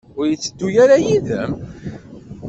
Ur yetteddu ara yid-m?